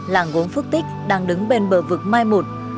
làng gốm phước tích đang đứng bên bờ vực mai một